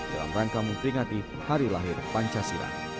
dalam rangka memperingati hari lahir pancasila